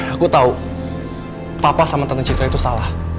aku tahu papa sama tante citra itu salah